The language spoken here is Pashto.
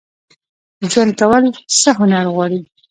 ژوند کول څه هنر غواړي؟